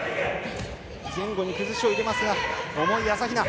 前後に崩しを入れますが重い朝比奈。